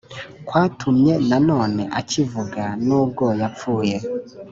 kwatumye na none akivuga nubwo yapfuye